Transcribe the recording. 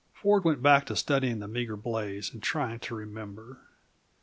Ford went back to studying the meager blaze and trying to remember.